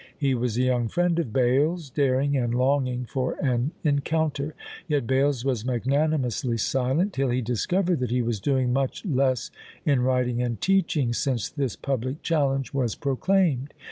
He was a young friend of Bales, daring and longing for an encounter; yet Bales was magnanimously silent, till he discovered that he was "doing much less in writing and teaching" since this public challenge was proclaimed!